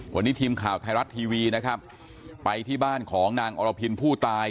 วันนี้ทีมข่าวไทยรัฐทีวีนะครับไปที่บ้านของนางอรพินผู้ตาย